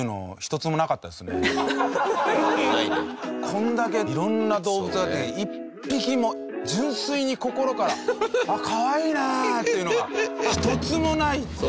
こんだけ色んな動物があって１匹も純粋に心から「かわいいねえ！」っていうのが一つもないって。